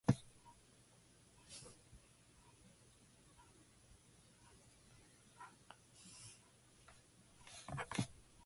The building was designed by architect Robert Ogilvie for lawyer Norman Gash.